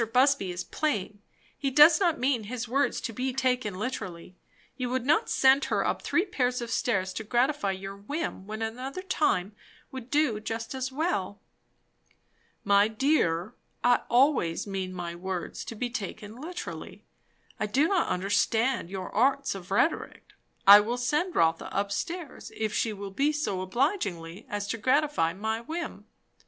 Busby is playing; he does not mean his words to be taken literally. You would not send her up three pair of stairs to gratify your whim, when another time would do just as well?" "My dear, I always mean my words to be taken literally. I do not understand your arts of rhetoric. I will send Rotha up stairs, if she will be so obliging as to gratify my whim."